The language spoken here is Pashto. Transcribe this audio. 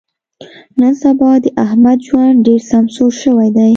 نن سبا د احمد ژوند ډېر سمسور شوی دی.